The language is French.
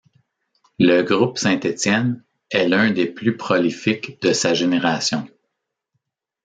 Le groupe Saint Étienne est l'un des plus prolifiques de sa génération.